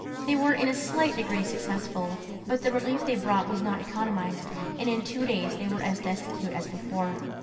They were in a slight degree successful; but the relief they brought was not economised, and in two days they were as destitute as before.